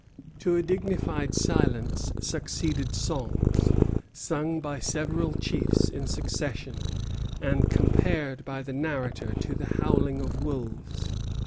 To a dignified silence succeeded songs, sung by several chiefs in succession, and compared by the narrator to the howling of wolves.